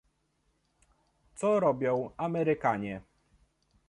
Co robią Amerykanie?